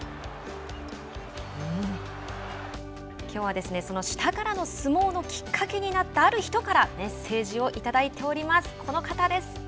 きょうは、その下からの相撲のきっかけになった、ある人からメッセージをいただいております。